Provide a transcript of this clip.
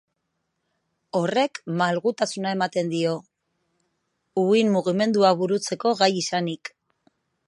Horrek malgutasuna ematen dio, uhin-mugimendua burutzeko gai izanik.